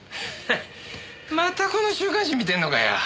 またこの週刊誌見てんのかよ。